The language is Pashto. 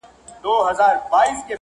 د یوه اکا مېرمن مي وردګه ده